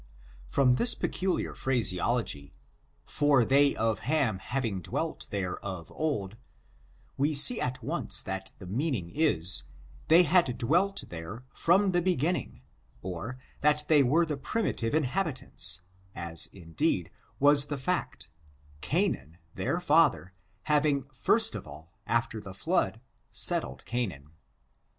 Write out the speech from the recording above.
From this peculiar phraseology, /or ihep of Ham having dwelt there of old^ we see at once that the meaning is, they had dwelt there from the beginning, or that they ':. N^^^^^^ 66 ORIGIN, CHARACTER, AND i. j were the primitive inhabitants, as indeed was the fact — Canaan, their father, having first of all, after the flood, settled Canaan.